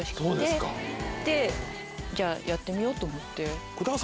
でじゃあやってみようと思って。